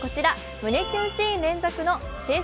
胸キュンシーン連続の青春